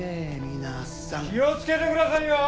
皆さん・気をつけてくださいよ！